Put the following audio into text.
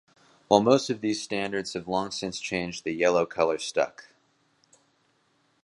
While most of those standards have long since changed, the yellow color stuck.